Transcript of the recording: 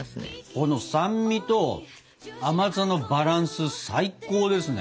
この酸味と甘さのバランス最高ですね。